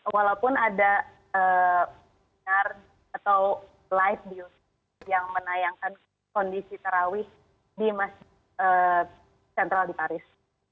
walaupun ada penyengar atau live view yang menayangkan kondisi terawih di meskentral paris